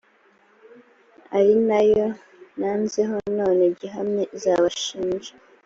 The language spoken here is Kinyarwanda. ari na yo ntanzeho none gihamya izabashinja,